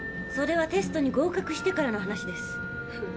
それはテストに合格してからの話です。